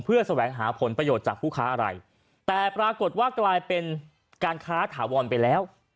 แสวงหาผลประโยชน์จากผู้ค้าอะไรแต่ปรากฏว่ากลายเป็นการค้าถาวรไปแล้ว